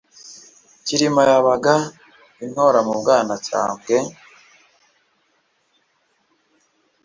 Cyirima yabaga i Ntora mu Bwanacyambwe;